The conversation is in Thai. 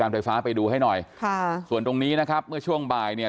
ไฟฟ้าไปดูให้หน่อยค่ะส่วนตรงนี้นะครับเมื่อช่วงบ่ายเนี่ย